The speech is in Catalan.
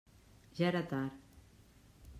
Ja era tard.